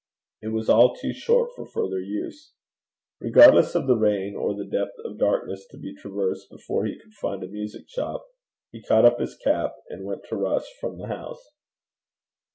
It was all too short for further use. Regardless of the rain or the depth of darkness to be traversed before he could find a music shop, he caught up his cap, and went to rush from the house.